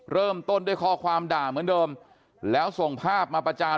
เริ่มต้นด้วยข้อความด่าเหมือนเดิมแล้วส่งภาพมาประจาน